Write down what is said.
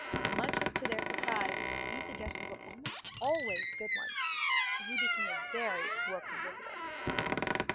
Much to their surprise these suggestions were almost always good ones, and he became a very welcome visitor.